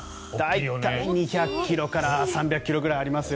２００ｋｇから３００ｋｇぐらいありますよ。